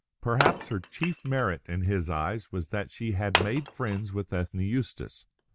Perhaps her chief merit in his eyes was that she had made friends with Ethne Eustace.